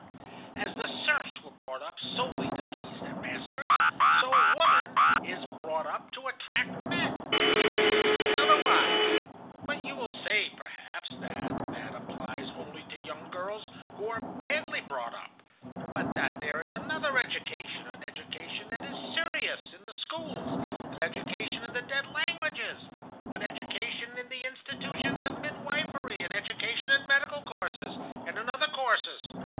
"As the serfs were brought up solely to please their masters, so woman is brought up to attract men. It cannot be otherwise. But you will say, perhaps, that that applies only to young girls who are badly brought up, but that there is another education, an education that is serious, in the schools, an education in the dead languages, an education in the institutions of midwifery, an education in medical courses, and in other courses.